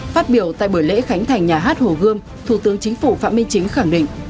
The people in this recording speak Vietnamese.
phát biểu tại buổi lễ khánh thành nhà hát hồ gươm thủ tướng chính phủ phạm minh chính khẳng định